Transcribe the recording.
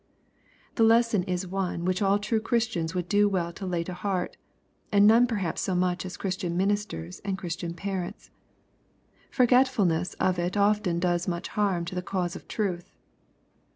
The lesson is one which all true Christians would do well to lay to heart, and none perhaps so much as Christian ministers and Christian parents. Forgetful ness of it often does much harm to the cause of truth.